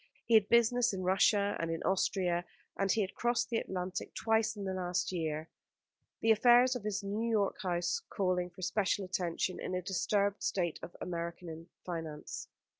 He had business in Russia, and in Austria, and he had crossed the Atlantic twice in the last year, the affairs of his New York house calling for special attention in a disturbed state of American finance.